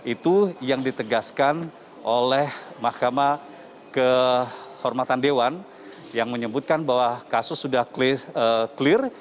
itu yang ditegaskan oleh mahkamah kehormatan dewan yang menyebutkan bahwa kasus sudah clear